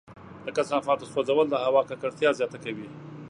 د کثافاتو سوځول د هوا ککړتیا زیاته کوي.